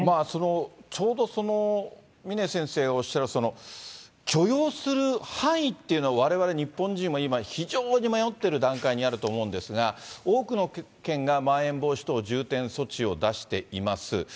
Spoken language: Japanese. その、ちょうどその峰先生おっしゃる、その許容する範囲っていうのは、われわれ日本人は今、非常に迷ってる段階にあると思うんですが、多くの県が、まん延防止等重点措置を出しています。